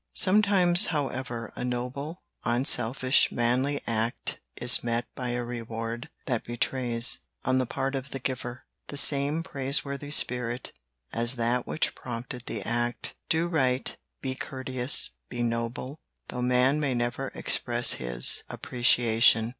Sometimes, however, a noble, unselfish, manly act is met by a reward that betrays, on the part of the giver, the same praiseworthy spirit as that which prompted the act. Do right, be courteous, be noble, though man may never express his appreciation.